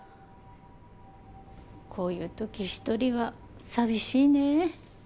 こういう時１人は寂しいねぇ。